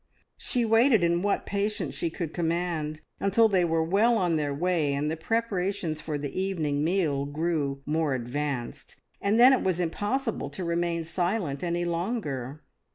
She waited in what patience she could command until they were well on their way and the preparations for the evening meal grew more advanced, and then it was impossible to remain silent any longer.